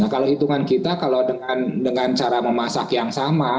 jadi kalau hitungan kita kalau dengan cara memasak yang sama